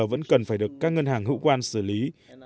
vẫn cần phải được các ngân hàng hữu quan xử lý